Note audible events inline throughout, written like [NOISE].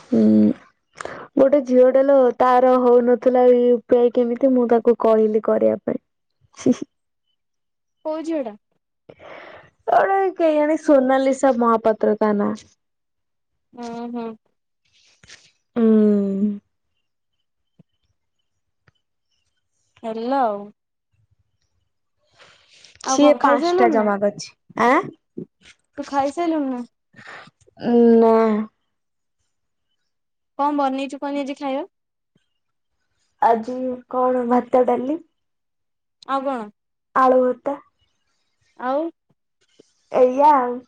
ହୁଁ। ଗୋଟେ ଝିଅଟେ ଲୋ ତାର ହଉନଥିଲା ୟୁପି ଆଇ କେମିତି ମୁଁ ତାକୁ କହିଲି କରିବା ପାଇଁ। ଶ୍ ହିଁ। କୋଉ ଝିଅଟା? ଗୋଟେ କେଇ ଜାଣି ସୋନାଲିସା ମହାପାତ୍ର ତା ନା। ହୁଁ ହୁଁ। ହୁ। ହେଲା ଆଉ। ଆଉ ସିଏ କଣ ପାଞ୍ଚଟା ଖାଇସାରିଲୁଣି ନା ଜମା କରିଛି। ଆଁ ତୁ ଖାଇସାରିଲୁଣି ନା? ଉ ନା। କଣ ବନେଇଛୁ କହନି ଆଜି ଖାଇବା? ଆଜି କଣ ଭାତ ଡାଲି? ଆଉ କଣ? ଆଲୁଭର୍ତା। ଆଉ? ଏଇଆ ଆଉ।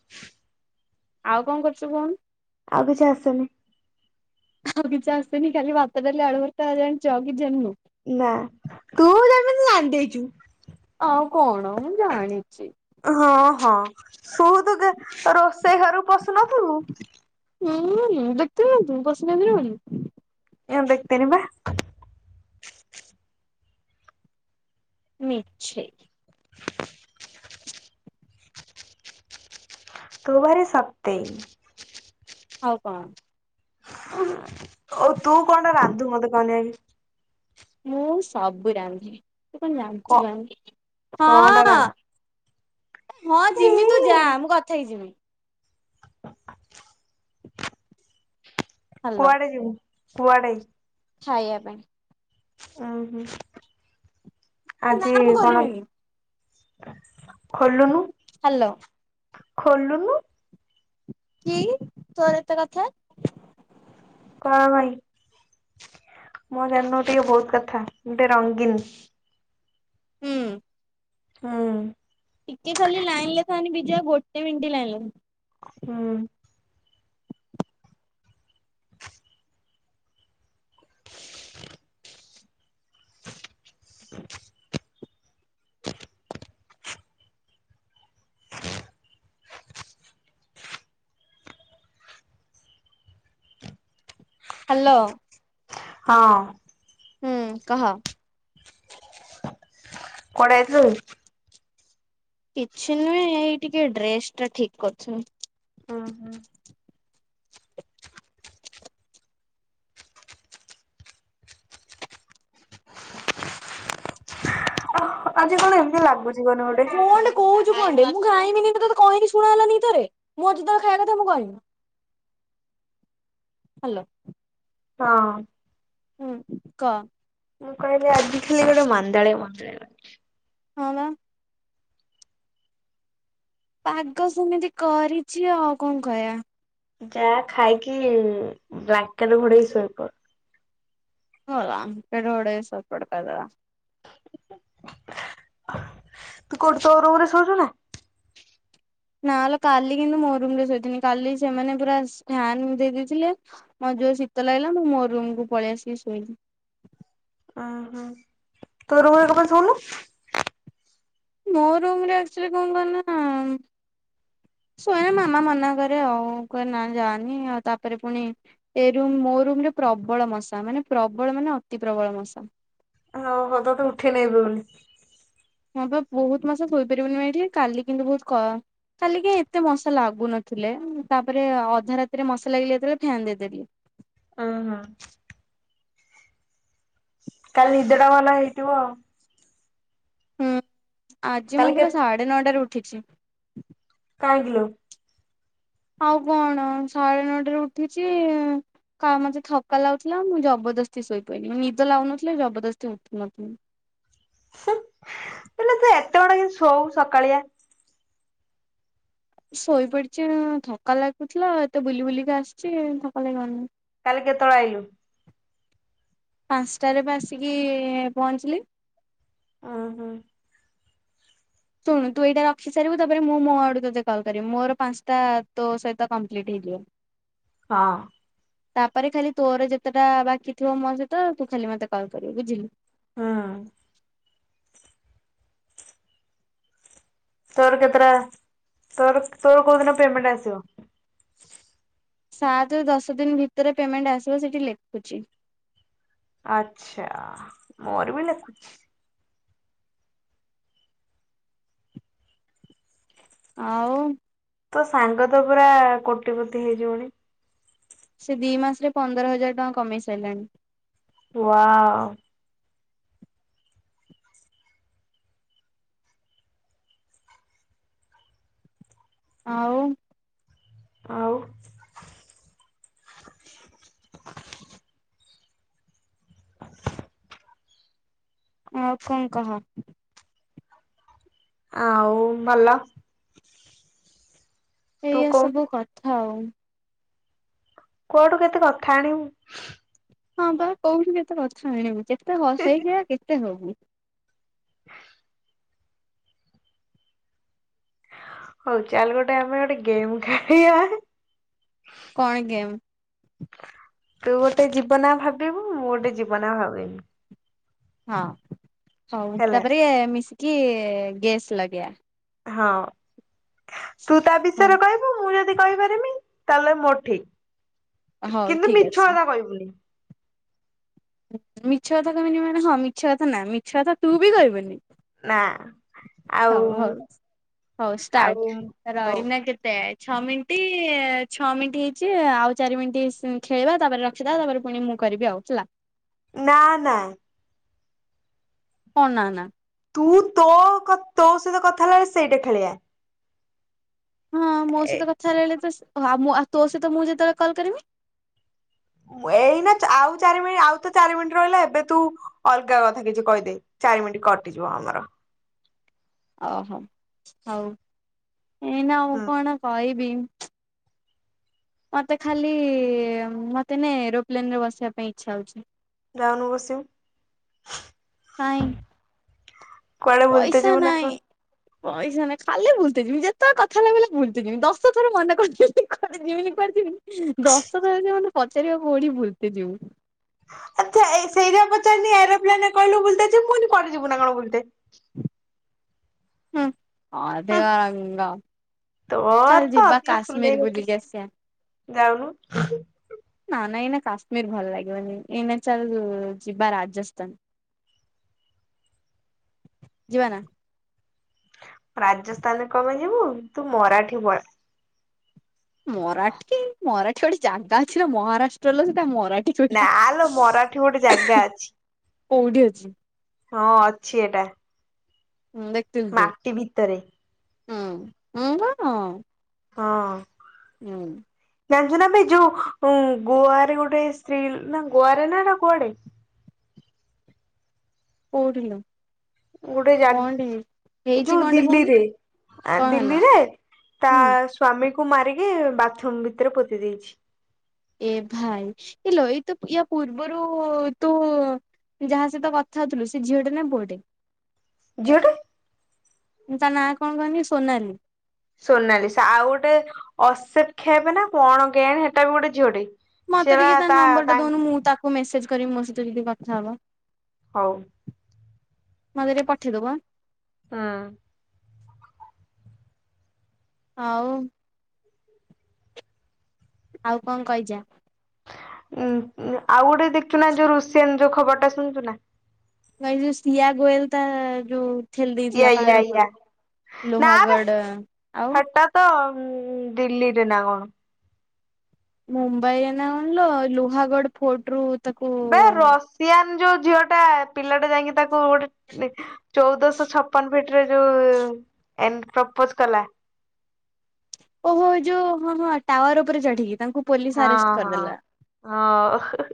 ଆଉ କଣ କରୁଛୁ କହୁନୁ? ଆଉ କିଛି ଆସେନି। ଆଉ କିଛି ଆସେନି ଖାଲି ଭାତ ଡାଲି ଆଲୁଭର୍ତା ହିଁ ଜାଣିଛୁ ଆଉ କିଛି ଜାଣିନୁ? ନା ତୁ ଯେମିତି ଯାଣିଦେଇଚୁ। ଆଉ କଣ ମୁଁ ଜାଣିଛି। ହଁ ହଁ ଶୁ ତୁ ରୋଷେଇ ଘରକୁ ପଶୁନଥିବୁ ହୁଁ ଦେଖିଥିଲୁ ନା ତୁ ପଶିନଥିଲି ବୋଲି? ଏନ୍ ଦେଖିଥିନି ପା। ମିଛେ଼ଇ ତୁ ଭାରି ସତେଇ। ଆଉ କଣ? ଆଉ ତୁ କଣଟା ରାନ୍ଧୁ ମତେ କହନି ଆଗେ? ମୁଁ ସବୁ ରାନ୍ଧେ ତୁ କଣ କ ଜାଣିଛୁ କହନି? କଣଟା ହଁ ରାନ୍ଧି ହଁ ଯିମି ତୁ ଯା ମୁଁ କଥା ହେଇକି ଯିମି। ହାଲୋ କୁଆଡେ ଯିବୁ କୁଆଡେ? ଖାଇବା ପାଇଁ ଉହୁଁ ନା ଆଜି ମୁଁ କଣ? ଖୋଲିବିନି ଖୋଲୁନୁ ହ୍ୟାଲୋ। ଖୋଲୁନୁ କିଏ କି ତୋର ଏତେ କଥା କଣ ଭାଇ ମୋ ଜାଣିନ ଟିକେ ବହୁତ କଥା ଗୋଟେ ରଙ୍ଗୀନ ହୁଁ। ହଁ। ଟିକେ ଖାଲି ଲାଇନରେ ଥାନି ବିଜୟ ଗୋଟେ ମିଣ୍ଟି ଲାଇନରେ ଥା ହୁଁ। [INAUDIBLE] ହ୍ୟାଲୋ ହଁ ହୁଁ କହ କୁଆଡେ ଯାଇଥିଲୁ କି? କିଛି ନୁହେଁ ଏଇ ଟିକେ ଡ୍ରେସ ଟା ଠିକ କରୁଥିନୀ ଓ ହୋ [INAUDIBLE] ଓ ହୋ ଆଜି କଣ ଏମିତି ଲାଗୁଛି କହନି ଗୋଟେ କ ହେଲାକି [UNINTELLIGIBLE] କହୁଛୁ କଣ୍ଡେ ମୁଁ ଖାଇମିନି ତତେ ତ କହିନି ଶୁଣ ହେଲାନି କି ଥରେ ମୁଁ ଅଜି ତଳେ ଖାଇବା କଥା ମୁଁ କହିମୀ [INAUDIBLE] ହ୍ୟାଲୋ ହଁ ହୁଁ କ ମୁଁ କହିଲି ଆଜି ଖାଲି ଗୋଟେ ମାନ୍ଦାଳିଆ ମାନ୍ଦାଳିଆ ହଁ ବା ପାଗ ସେମିତି କରିଛି ଆଉ କଣ କହିବା ଯାଆ ଖାଇକି ବ୍ଲାଲେଟ ଘୋଡେଇ ଶୋଇପ ଗଲାନ ପେଡ଼ ଗଡ଼େଇ ସପ ପଡକଦାର ତୁ କୋଉଠି ତୋ ରୁମ ରେ ସୋଉଛୁ ନା ନା ଲୋ କାଲି କିନ୍ତୁ ମୋ ରୁମ ରେ ଶୋଇଥିଲି କାଲି ସେମାନେ ପୁରା ସ ଫ୍ୟାନ ଦେଇ ଦେଇେଥିଲେ ମୋ ଯୋଉ ଶୀତ ଲାଗିଲା ମୁଁ ମୋ ରୁମକୁୁ ପଳେଇ ଆସିକି ଶୋଇଲିି ଓ ହୋ ତୋ ରୋଗ କ ପାଇଁ ଶୁନୁ ମୋ ରୁମ୍ ରେ ଆକ୍ଚୁଆଲି କଣ କହନା ସୋୟାନା ମାମା ମନା କରେ ଆଉ କହେ ନା ଯାନି ଆଉ ତାପରେ ପୁଣି ଏ ରୁମ୍ ମୋ ରୁମରେ ପ୍ରବଳ ମଶା ମାନେ ପ୍ରବଳ ମାନେ ଅତି ପ୍ରବଳ ମଶା ହଉ ହ ତ ତେ ଉଠେଇ ନେବି ବୋଲି ହଁ ବା ବହୁତ ମଶା ଶୋଇପାରିବୁନି ଏଇଠି କାଲି କିନ୍ତୁ ବହୁତ କ କାଲିିକାଇ ଏତେ ମସା ଲାଗୁନଥିଲେ ତାପରେ ଅଧା ରାତିରେ ମଶା ଲାଗିଲେ ଯେତେବେଳେ ଫ୍ୟାନ୍ ଦେଇଦେଲି ଓ ହୋ କାଲି ନିଦେଟା ଭଲ ହେଇଥିବ ଆଉ ହୁଁ ଆଜି ମୁଁ କାଲି କେ ପୁରା ସାଢ଼େ ନଅଟାରେ ଉଠିଛି କାହିଁକି ଲୋ ଆଉ କଣ ସାଢେ ନଅଟା ରେ ଉଠିଛି କା ମେଜ ଥକା ଲାଗୁଥିଲା ମୁଁ ଜବରଦସ୍ତି ଶୋଇ ପଡି ନି ନିଦ ଲାଗୁନଥିଲା ଜବରଦସ୍ତି ହେଉଥିଲ ମେ ହେଲେ ସେ ଏତେ ଗଡା କି ଶୋଉ ସକାଳିଆ ଶୋଇପଡିଛି ଉ ଥକା ଲାଗୁଥିଲା ଏତେ ବୁଲି ବୁଲିକି ଆସିଛି ଥକା ଲାଗିବନିଁ ନାଁ କାଲି କେତେବେଳେ ଆଇଲୁ? ପାଞ୍ଚଟାରେ ବା ଆସିକି ପହଞ୍ଚିଲି ଓ ହୋ ଶୁଣୁ ତୁ ଏଇଟା ରଖି ସାରିବୁ ତାପରେ ମୁଁ ମୋ ଆଡୁ ତତେ କଲ କରିବି ମୋର ପାଞ୍ଚଟା ତୋ ସହିତ କମ୍ପ୍ଲିଟ୍ ହେଇଯିବ। ହଁ ତାପରେ ଖାଲି ତୋର ଯେତେଟା ବାକି ଥିବ ମୋ ସହିତ ତୁ ଖାଲି ମତେ କଲ୍ କରିବୁ ବୁଝିଲୁ ହଁ ତୋର କେତେଟା ତୋର ତୋର କୋଉ ଦିନ ପେମେଣ୍ଟ ଆସିବ ସାତ ରୁ ଦଶ ଦିନ ଭିତରେ ପେମେଣ୍ଟ ଆସିବ ସେଠି ଲେଖୁଛି ଆଛା ମୋର ବି ଲେଖୁଛି ଆଉ ତୋ ସାଙ୍ଗ ତ ପୁରା କୋଟିପତି ହେଇଯିବଣୀ ସେ ଦି ମାସରେ ପନ୍ଦର ହଜାର ଟଙ୍କା କମେଇ ସାରିଲାଣି। ୱାଉ। ଆଉ। ଆଉ। [INAUDIBLE] ଆଉ କଣ କହ? ଆଉ ଭଲ। ତୁ ଏଇଆ କହୁନୁ ସବୁ କଥା ଆଉ। କୁଆଡୁ କେତେ କଥା ଆଣିବୁ? ହଁ ବା କୋଉଠି କେତେ କଥା ଆଣିବୁ କେତେ ହସ ହେଇକି ଆ କେତେ ହବୁ? [INAUDIBLE] ହଉ ଚାଲେ ଗୋଟେ ଆମେ ଗୋଟେ ଗେମ୍ ଖେଳିବା। କଣ ଗେମ୍? ତୁ ଗୋଟେ ଜୀବନା ଭାବିବୁ, ମୁଁ ଗୋଟେ ଜୀବନା ଭାବିମି। ହଁ ହଉ ହେଲା ତାପରେ ମିଶିକି ଗ୍ୟାସ୍ ଲଗେଇବା। ହଁ ତୁ ତା ହଁ ବିଷୟରେ କହିବୁ? ହୁଁ ମୁଁ ଯଦି କହିପାରିମି ତାହେଲେ ମୋଠିକ ହଉ କିନ୍ତୁ ଠିକ ମିଛ ଅଛି। କଥା କହିବୁନି। ମିଛ କଥା କହିବିନି ମାନେ ହଁ ମିଛ କଥା ନା ମିଛ କଥା ତୁ ବି କିବୁିନି? ନା। ଆଉ ହଉ ହଉ ହଉ ଆଉ ଷ୍ଟାର୍ଟ ହଉ ରହିନା କେତେ? ଛଅ ମିନିଟ ଛଅ ମିନିଟ ହେଇଛି ଆଉ ଚାରି ମିନିଟ୍ ସି ଖେଳିବା ତାପରେ ର ଥିଲା ତାପରେ ପୁଣି ମୁଁ କରିବି ଆଉଥିଲା। ନା ନା। କନା ନା। ତୁ ତୋ କ ତୋ ସହିତ କଥା ହେଲା ବଳେ ସେଇଟା ଖେଳଆ। ହଁ ମୋ ଏ ସହିତ କଥା ହେଲା ଳେ ତ ହଁ ମୋ ତୋ ସହିତ ମୁଁ ଯେତେବେଳେ କଲ୍ କରମି? ଏଇନା ଆଉ ଚାରି ମିନିଟ ଆଉ ତ ଚାରି ମିନିଟ୍ ରହିଲା ଏବେ ତୁ ଅଲଗା କଥା କିଛି କହିଦେ ଚାରି ମିନିଟ କଟିଯିବ ଆମର। ଓହୋ ହଉ, ଏଇନା ମୁଉ ହୁଁ କଣ କହିବି? ମୋତେ ଖାଲି ମୋତେ ନ ଏରୋପ୍ଲେନରେ ବସିବା ପାଇଁ ଇଚ୍ଛା ହେଉଛି। ଯାଉନୁ ବସିବୁ। ନାଇଁ [INAUDIBLE] କୁଆଡେ ବୁଲିତେ ପଇସା ଯିବୁ ନା ନାଇଁ କଣ? ପଇସା ନାଇଁ ଖାଲି ବୁଲିତେ ଯିବି ଯେତେଳେ କଥା ହେଲବେଲେ ବୁଲିତେ ଯିବି ଦଶ ଥର ମନେ କରୁଚି କୁଆଡେ ଯିବିନି କୁଆଡେ ଯିବିନି। ଦଶ ଥର ସେ ମତେ ପଚାରିବ କଉଠି ଭୁଲତେ ଯିବୁ? ଆଚ୍ଛା ଏଇ ସେଇଟା ପଚାରିନି ଏରୋପ୍ଲେନ ରେ କିଇଲୁ ବୁଲତେ ଯିବୁ ମୁଁନି କୁଆଡେ ଯିବୁ ନା କଣ ବୁଲତେ? ହୁଁ ଅଦେ ହୁଁ ଆ ରଙ୍ଗ ତୋର ଚାଲ ତ ଯିିବା ଅଧିକ ଫୁଲେଇ କାଶ୍ମୀର ଗୋଟେ ଭୁଲିକି ଆସିବା। ଯାଉନୁ। ନା ନା ଏନା କାଶ୍ମୀର ଭଲ ଲାଗିବନି ଏଇନା ଚାଲ ଯିବା ରାଜସ୍ଥାନ। [INAUDIBLE] ଯିବାନା? ରାଜସ୍ଥାନରେ କମେ ଯିବୁ ତୁ ମରାଠି ପଳା। ମରାଠି ମରାଠି ଗୋଟେ ଜାଗା ଅଛି ନା ମହାରାଷ୍ଟ୍ରର ସେଟା ମରାଠୀ। କହିଲା ନାଲୋ ମରାଠି ଗୋଟେ ଜାଗା ଅଛି, କୋଉଠି ଅଛି ହଁ ଅଛି ଏଟା। ହୁଁ ଦେଖ। ମାଟି ଭିତରେ। ହୁଁ ହୁଁ ବା ହୁଁ। ହଁ। ହୁଁ। ଜାଣିଛୁ ନା ବେ ଯୋଉ ଉଁ ଗୋଆରେ ଗୋଟେ ସ୍ତ୍ରୀ ନା ଗୋଆରେ ନାଟ କୁଆଡେ? କୋଉଥିଲୋ? ଗୋଟେଏ ଜାଗା ହେଇଛି ଯୋଉ କଣଟେ କହୁନୁ ଦିଲ୍ଲୀରେ ଆ କଣ ହେଲା ଦିଲ୍ଲୀରେ ତା ହୁଁ ସ୍ଵାମୀକୁ ମାରିକି ବାଥୁରୁମୁ ଭିତରେ ପୋତି ଦେଇଛି। ଏ ଭାଇ ଇଲୋ ଏ ତ ୟା ପୂର୍ବରୁ ତୁ ଯାହା ସହିତ କଥା ହଉଥିଲୁ ସେ ଝିଅଟେ ନା ପୁଅଟେ? ଜିଅଟେ। ତା ନାଁ କଣ କହନି ସୋନାଲି। ସୋନାଲିସା ଆଉ ଗୋଟେ ଅସେବକ୍ଷେବ୍ ନା କଣ କେୟାଣି ହେଟା ବି ଗୋଟେ ଝିଅଟେ। ମତେ ଟିକେ ତା ନମ୍ବର ଟା ଦଉନୁ ମୁଁ ତାକୁ ମେସେଜ କରିବି ମୋ ସହିତ ଟିକେ କଥା ହବ। ହଉ। ମତେ ଟିକେ ପଠେଇଦବୁ। ହଁ। ଆଉ। ଆଉ କଣ କହିଯା। ଉୁଁ ଉଁ ଆଉ ଗୋଟେ ଦେଖୁ ଚୂ ନା ଯୋଉ ରୁଷିଆନ ଯୋଉ ଖବରଟା ଶୁଣଛୁ ନା? ଭାଇ ଯଉ ସିୟ ଗୋଏଲ ତାଥା ଯୋଉ ଠେଲି ୟା ଦେଇଥିଲା ୟା ପାହାଡ ୟା ଉପରୁ ନା ବେ ଲୋହାଗଡ଼ ଆଉ। ହେଟା ତ ଉଁ ଦିଲ୍ଲୀରେ ନା କଣ। ମୁମ୍ବାଇ ନା କଣଲୋ ଲୁହାଗଡ ଫୋର୍ଟ ରୁ ତାକୁ ବେ ରସିଆନ ଯୋଉ ଝିଅ ଟା ପିଲାଟା ଯାଇକି ତାକୁ ଗୋଟେ ଚଉଦଶହ ଛପନ ଫିଟ ଯ ଯୋଉ ଏନେ ପ୍ରପୋଜ କଲା। ଓହୋ ଯୋଉ ହଁ ହ ଟାୱାର ଉପରେ ଚଢିକି ତା ହଁ ହଁ ହଓ।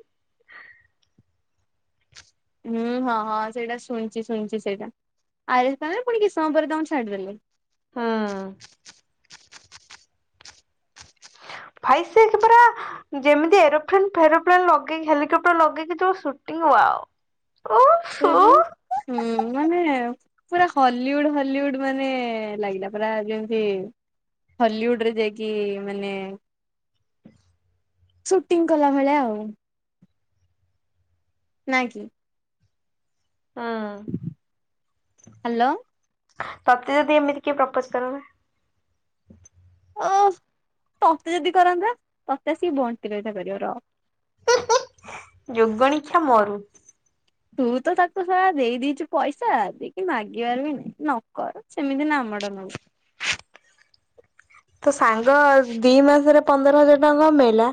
ହୁଁ ହଁ ହଁ ସେଇଟା ଶୁଣିଛି ଶୁଣିଛି ସେଇଟା ଆଇରେ ପୁଣି କିଛି ସମୟ ପରେ ତା ଛାଡିଦେଲେ। ହଁ। ଭାଇସେ କେ ପୁରା ଯେମିତି ଏରୋପ୍ଲେନ ଫେରୋପ୍ଲେନ ଲଗେଇକି ହେଲିକପ୍ଟର ଲଗେଇକି ଯୋଉ ସୁଟିଂ ୱାଓ। ଉଫ୍ ସେଯୋଉ ଉଫ୍ ହୁଁ ମାନେ ପୁରା ହଲିଉଡ ହଲିଉଡ ମାନେ ଲାଗିଲା ପୁରା ଯେମିତି ହଲିଉଡ ରେ ଯାଇକି ମାନେ ସୁଟିଂ କଲା ଭଳିଆ ଆଉ ନାଇ କି ହୁଁ ହ୍ୟାଲୋ ତତେ ଯଦି ଏମିତି କିଏ ପ୍ରପୋଜ କର ଓ ତତେ ଯଦି କରନ୍ତା ତତେ ଆସିକି ବଣ୍ଟି ରହିଥା କରିବ ର। ! ! ! ! ! ! ! ! ! !! ! ! ! ! ! ! ! ! ! ତୋ ସାଙ୍ଗ ଦି ମାସରେ ପନ୍ଦର ହଜାର ଟଙ୍କା କମେଇଲା।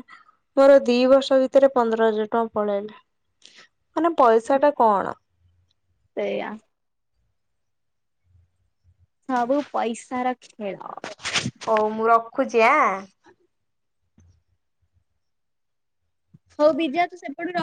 ମୋର ଦି ବର୍ଷ ଭିତରେ ପନ୍ଦର ହଜାର ଟଙ୍କା ପଳେଇଲା ମାନେ ପଇସା ଟା କଣ। ସେଇଆ। ସବୁ ପଇସାର ଖେଳ। ହଉ ମୁଁ ରଖୁଛି ଆଁ। ହଉ ବିଜା ତୁ ସେପଟୁ ର